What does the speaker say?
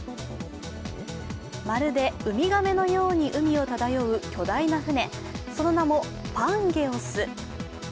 まるでウミガメのように海を漂う巨大な船、その名もパンゲオス。